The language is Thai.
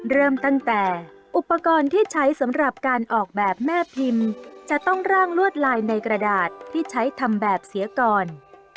เริ่มตั้งแต่อุปกรณ์ที่ใช้สำหรับการออกแบบแม่พิมพ์จะต้องร่างลวดลายในกระดาษที่ใช้ทำแบบเสียก่อน